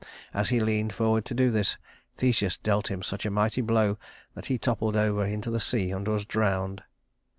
As he leaned forward to do this, Theseus dealt him such a mighty blow that he toppled over into the sea and was drowned.